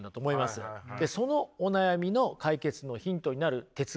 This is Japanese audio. そのお悩みの解決のヒントになる哲学者をね